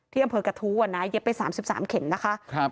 ที่อำเภอกระทู้อ่ะนะเย็บไปสามสิบสามเข็มนะคะครับ